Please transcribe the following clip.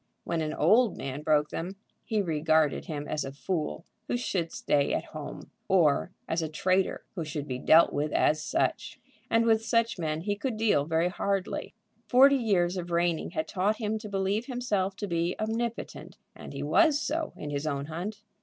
When an old man broke them, he regarded him as a fool who should stay at home, or as a traitor who should be dealt with as such. And with such men he could deal very hardly. Forty years of reigning had taught him to believe himself to be omnipotent, and he was so in his own hunt.